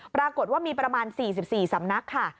ปรากฏว่ามีประมาณ๔๔สำนักค่ะ